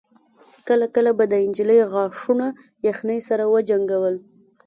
کله کله به د نجلۍ غاښونه يخنۍ سره وجنګول.